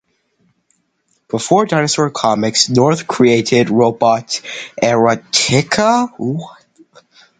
Before "Dinosaur Comics", North created "Robot Erotica".